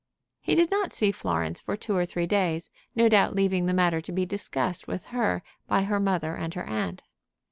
He did not see Florence for two or three days, no doubt leaving the matter to be discussed with her by her mother and her aunt.